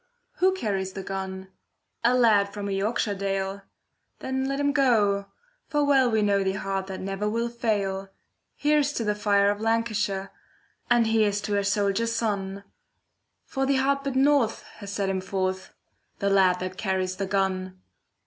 Who carries the gun? A lad from a Yorkshire dale. Then let him go, for well we know The heart that never will fail. Here's to the fire of Lancashire, And here's to her soldier son! For the hard bit north has sent him forth— The lad that carries the gun.